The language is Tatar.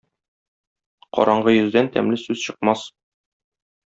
Караңгы йөздән тәмле сүз чыкмас.